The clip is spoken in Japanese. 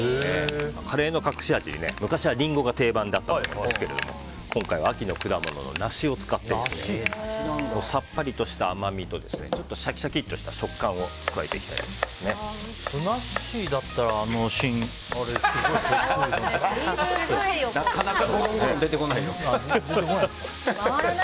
カレーの隠し味に昔はリンゴが定番だったと思うんですけど今回は秋の果物のナシを使ってさっぱりとした甘みとシャキシャキとした食感をふなっしーだったらあれ、すごい。なかなか出てこないよ。